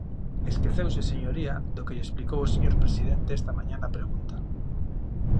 Esqueceuse, señoría, do que lle explicou o señor presidente esta mañá na pregunta.